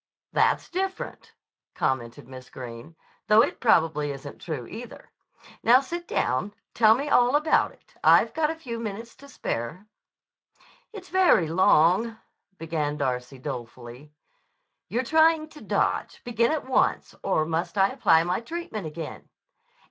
"That's different," commented Miss Greene, "though it probably isn't true, either. Now sit down. Tell me all about it. I've got a few minutes to spare." "It's very long," began Darcy dolefully. "You're trying to dodge. Begin at once. Or must I apply my treatment again?"